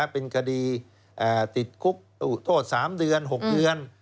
เป็นคดีติดคุกโทษ๓เดือน๖เดือน